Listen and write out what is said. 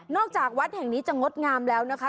จากวัดแห่งนี้จะงดงามแล้วนะคะ